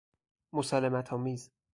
مسالمت آمیز